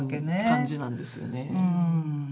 感じなんですよね。